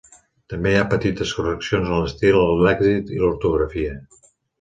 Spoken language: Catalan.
També hi ha petites correccions en l'estil, el lèxic i l'ortografia.